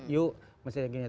yuk mesti begini